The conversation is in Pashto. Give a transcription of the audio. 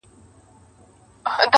نه خاطر گوري د وروڼو نه خپلوانو!!